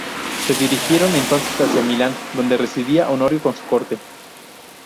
Se dirigieron, entonces, hacia Milán donde residía Honorio con su corte.